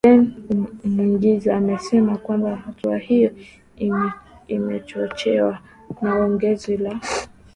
Bain Omugisa amesema kwamba hatua hiyo imechochewa na ongezeko la